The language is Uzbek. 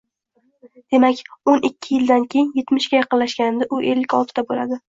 Demak, o`n ikki yildan keyin etmishga yaqinlashganimda u ellik oltida bo`ladi